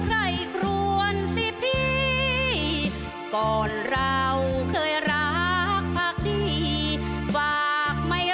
ดีใจมากเลย